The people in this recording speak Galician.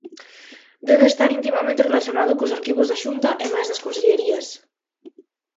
Debe estar intimamente relacionado cos arquivos da Xunta e mais das consellarías.